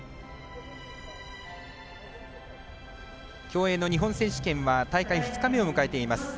競泳の日本選手権は大会２日目を迎えています。